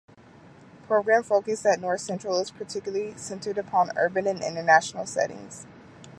Program focus at North Central is particularly centered upon urban and international settings.